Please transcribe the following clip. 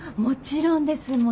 もちろんです。